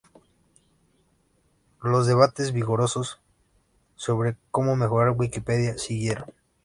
Los debates vigorosos sobre cómo mejorar Wikipedia siguieron.